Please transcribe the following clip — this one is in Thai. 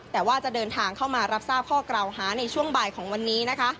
แต่ว่าจะเดินทางเข้ามารับทราบข้อกล่าวหาในช่วงบ่ายของวันนี้นะคะ